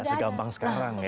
nggak segampang sekarang ya